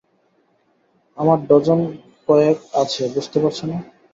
আমার কয়েক ডজন আছে, বুঝতে পারছ না।